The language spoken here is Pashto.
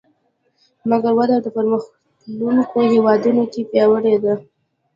مګر وده په پرمختلونکو هېوادونو کې پیاوړې ده